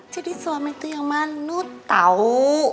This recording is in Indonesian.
jadi suami itu yang manu tau